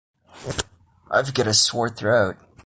I've got a sore throat.